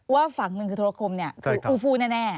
ว่าฝั่งหนึ่งคือธุรกรมคืออูฟูแน่